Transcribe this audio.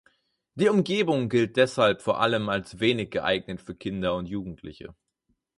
Die Umgebung gilt deshalb vor allem als wenig geeignet für Kinder und Jugendliche.